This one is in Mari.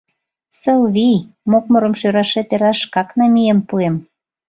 Сылвий, мокмырым шӧрашет эрла шкак намиен пуэм.